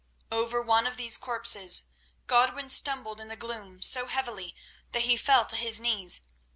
Over one of these corpses Godwin stumbled in the gloom, so heavily, that he fell to his knees.